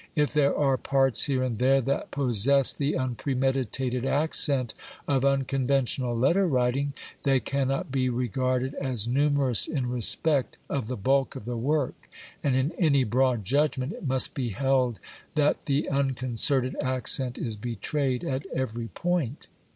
If there are parts here and there that possess the unpremeditated accent of unconventional letter writing, they cannot be regarded as numerous in respect of the bulk of the work, and in any broad judgment it must be held that the unconcerted accent is betrayed at every point.